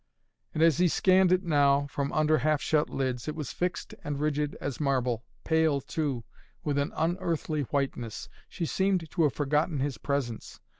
And as he scanned it now, from under half shut lids, it was fixed and rigid as marble, pale, too, with an unearthly whiteness. She seemed to have forgotten his presence.